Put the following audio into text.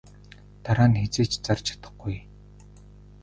Дараа нь хэзээ ч зарж чадахгүй.